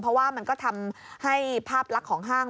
เพราะว่ามันก็ทำให้ภาพลักษณ์ของห้าง